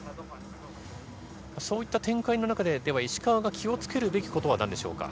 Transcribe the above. そういった展開の中で石川が気を付けるべきことは何でしょうか？